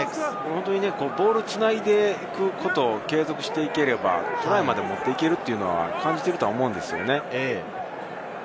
ボールを繋いでいくことを継続していければ、トライまで持っていけるというのは感じていると思うんですよね。